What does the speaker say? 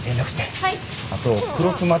はい。